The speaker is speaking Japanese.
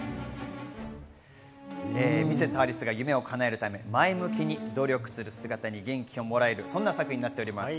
ミセス・ハリスが夢を叶えるために前向きに努力する姿に元気をもらえる、そんな作品になっています。